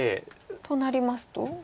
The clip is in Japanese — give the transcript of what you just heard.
となりますと？